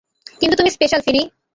কিন্তু তুমি স্পেশাল, ফিনি।